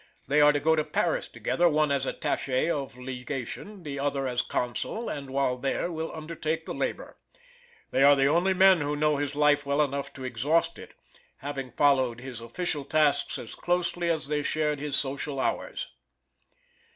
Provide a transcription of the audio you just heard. They are to go to Paris together, one as attache of legation, the other as consul, and while there, will undertake the labor. They are the only men who know his life well enough to exhaust it, having followed his official tasks as closely as they shared his social hours.